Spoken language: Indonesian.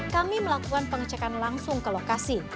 kami melakukan pengecekan langsung ke lokasi